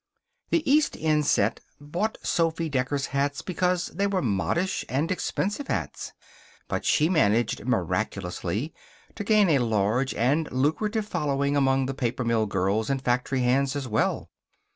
The East End set bought Sophy Decker's hats because they were modish and expensive hats. But she managed, miraculously, to gain a large and lucrative following among the paper mill girls and factory hands as well.